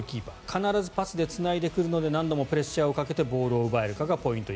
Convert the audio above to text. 必ずパスでつないでくるので何度もプレッシャーをかけてボールを奪えるかがポイント。